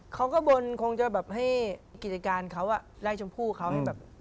เขาก็บนคงจะแบบให้กิจการเขาไล่ชมพู่เขาให้แบบ